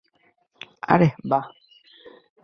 আরে, বাহ!